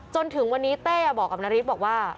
จนถึงวันนี้เต้บอกกับนาริสบอกว่า